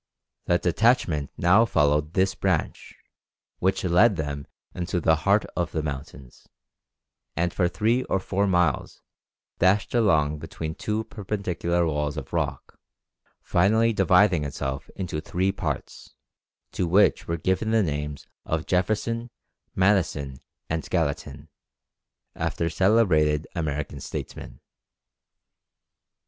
"] The detachment now followed this branch, which led them into the heart of the mountains, and for three or four miles dashed along between two perpendicular walls of rock, finally dividing itself into three parts, to which were given the names of Jefferson, Madison, and Galatin, after celebrated American statesmen.